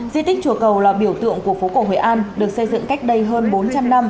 di tích chùa cầu là biểu tượng của phố cổ hội an được xây dựng cách đây hơn bốn trăm linh năm